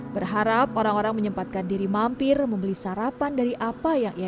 berharap orang orang menyempatkan diri mampir membeli sarapan dari apa yang ia